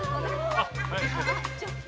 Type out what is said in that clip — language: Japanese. あちょっと。